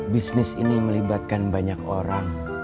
bisnis ini melibatkan banyak orang